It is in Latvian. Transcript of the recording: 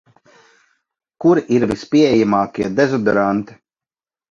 Kuri ir vispieejamākie dezodoranti?